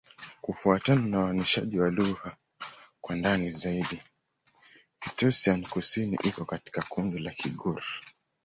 Kufuatana na uainishaji wa lugha kwa ndani zaidi, Kitoussian-Kusini iko katika kundi la Kigur.